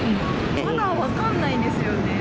まだ分からないんですよね。